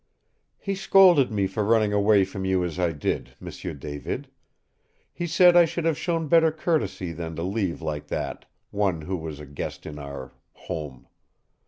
"He scolded me for running away from you as I did, M'sieu David. He said I should have shown better courtesy than to leave like that one who was a guest in our home.